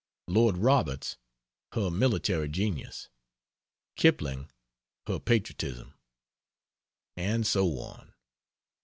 Lord Roberts, her military genius. Kipling, her patriotism. And so on.